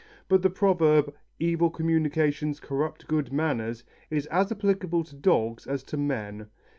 But the proverb, "Evil communications corrupt good manners," is as applicable to dogs as to men.